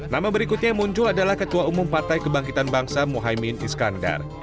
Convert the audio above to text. nama berikutnya yang muncul adalah ketua umum partai kebangkitan bangsa mohaimin iskandar